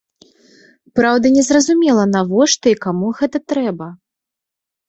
Праўда, незразумела, навошта і каму гэта трэба.